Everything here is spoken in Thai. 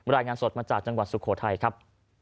รายงานสดมาจากจังหวัดสุโขทัยครับ